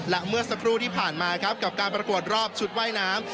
และเมื่อสักครู่ที่ผ่านมาครับกับการประกวดรอบชุดว่ายน้ำ